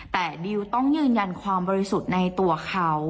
แต่ดิวต้องยืนยันความบริสุทธิ์ในตัวเขา